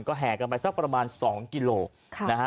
แห่กันไปสักประมาณ๒กิโลนะฮะ